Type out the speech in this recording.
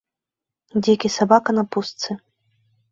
Дзікі сабака на пустцы.